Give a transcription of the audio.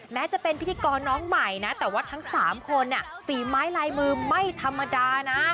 แม้จะเป็นพิธีกรน้องใหม่นะแต่ว่าทั้ง๓คนฝีไม้ลายมือไม่ธรรมดานะ